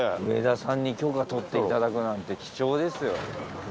上田さんに許可取っていただくなんて貴重ですよ。